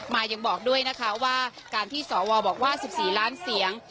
มายังบอกด้วยนะคะว่าการที่สวบอกว่า๑๔ล้านเสียง